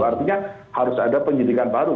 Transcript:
artinya harus ada penyidikan baru